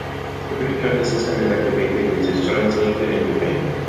Every time the system is activated, it is translated into pain.